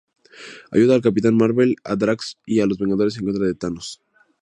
Ayuda al Capitán Mar-Vell, a Drax y a los Vengadores en contra de Thanos.